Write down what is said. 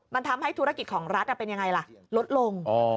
มันทำให้ธุรกิจของรัฐเป็นยังไงล่ะลดลง